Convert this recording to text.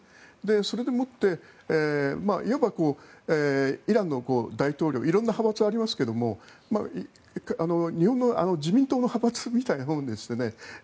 それでもってイランの大統領色んな派閥がありますけども日本の自民党の派閥みたいなものですよね。